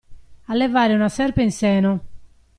Allevare una serpe in seno.